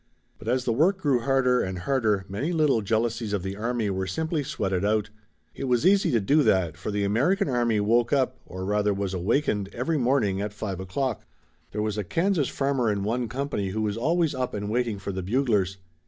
But as the work grew harder and harder many little jealousies of the army were simply sweated out. It was easy to do that, for the American army woke up, or rather was awakened, every morning at five o'clock. There was a Kansas farmer in one company who was always up and waiting for the buglers.